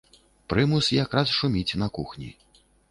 Прымус якраз шуміць на кухні.